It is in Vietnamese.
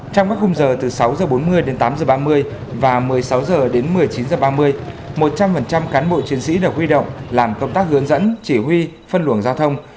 trong các khung giờ từ sáu h bốn mươi đến tám h ba mươi và một mươi sáu h đến một mươi chín h ba mươi một trăm linh cán bộ chiến sĩ được huy động làm công tác hướng dẫn chỉ huy phân luồng giao thông